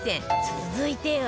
続いては